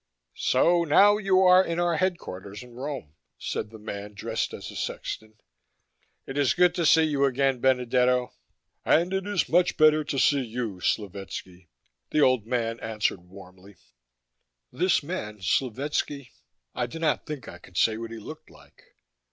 "So now you are in our headquarters in Rome," said the man dressed as a sexton. "It is good to see you again, Benedetto." "And it is much better to see you, Slovetski," the old man answered warmly. This man Slovetski I do not think I can say what he looked like.